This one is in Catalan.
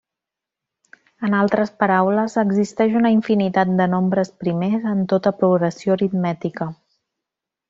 En altres paraules, existeix una infinitat de nombres primers en tota progressió aritmètica.